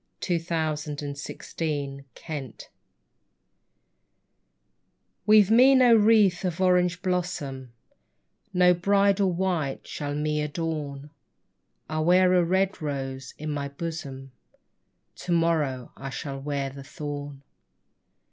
20 FLOWER OF YOUTH THE BRIDE WEAVE me no wreath of orange blossom, No bridal white shall me adorn ; I wear a red rose in my bosom ; To morrow I shall wear the thorn.